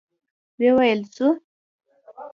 ويې ويل: ځو؟